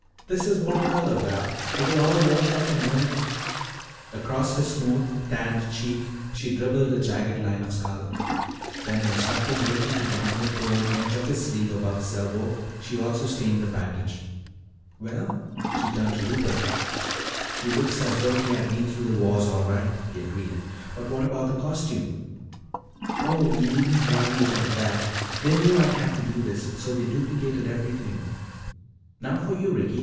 This is water color, Val, it'll all wash off in a minute." Across his smooth tanned cheek she dribbled a jagged line of scarlet. Then instructing Ricky to bind the torn edge of his sleeve above his elbow, she also stained the bandage. "Well?" she turned to Rupert. "He looks as though he had been through the wars all right," he agreed. "But what about the costume?" "Oh, we needn't worry about that. They knew I'd have to do this, so they duplicated everything. Now for you, Ricky.